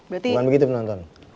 bukan begitu penonton